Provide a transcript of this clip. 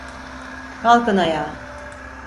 Kalkın ayağa!